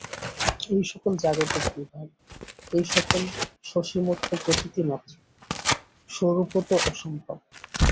এই-সকল জাগতিক বিভাগ, এই-সকল সসীমত্ব প্রতীতি মাত্র, স্বরূপত অসম্ভব।